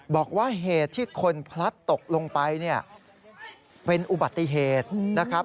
บอกว่าเหตุที่คนพลัดตกลงไปเนี่ยเป็นอุบัติเหตุนะครับ